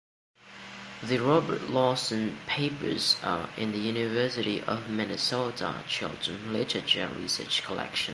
The Robert Lawson Papers are in the University of Minnesota Children's Literature Research Collections.